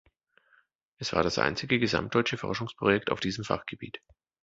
Es war das einzige gesamtdeutsche Forschungsprojekt auf diesem Fachgebiet.